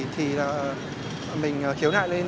thì mình khiếu nại lên